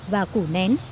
và củ nén